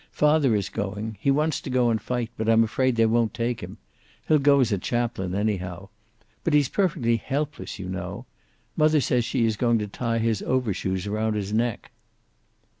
Father is going. He wants to go and fight, but I'm afraid they won't take him. He'll go as a chaplain, anyhow. But he's perfectly helpless, you know. Mother says she is going to tie his overshoes around his neck."